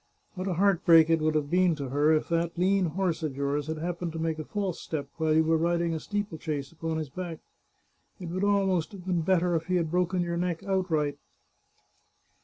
What a heart break it would have been to her if that lean horse of yours had happened to make a false step while you were riding a steeple chase upon his back ! It would almost have been better if he had broken your neck outright."